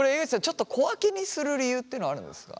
ちょっと小分けにする理由ってのはあるんですか？